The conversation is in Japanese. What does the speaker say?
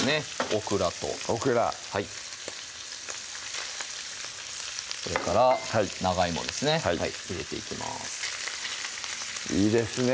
オクラとオクラそれから長いもですね入れていきますいいですね